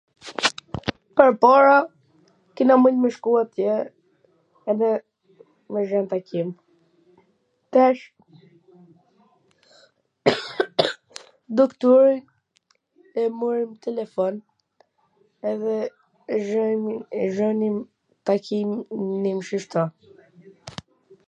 pwrpara kena mujt me shku atje edhe me qen, takim, tash nuk duhej e marri n telefon, edhe lenim takim nw njw ....